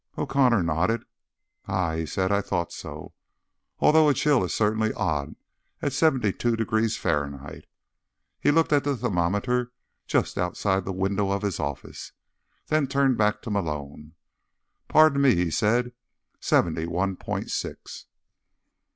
O'Connor nodded. "Ah," he said. "I thought so. Although a chill is certainly odd at seventy two degrees Fahrenheit." He looked at the thermometer just outside the window of his office, then turned back to Malone. "Pardon me," he said. "Seventy one point six."